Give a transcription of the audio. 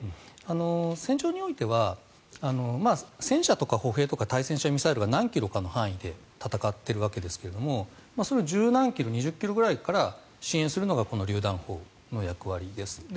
戦場においては戦車とか歩兵とか対戦車ミサイルが何キロかの範囲で戦っているわけですがそれを１０何キロ２０ｋｍくらいから支援するのがりゅう弾砲の役割です。